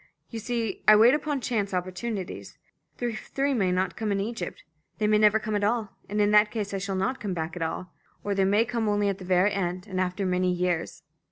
"You see, I wait upon chance opportunities; the three may not come in Egypt. They may never come at all, and in that case I shall not come back at all. Or they may come only at the very end and after many years.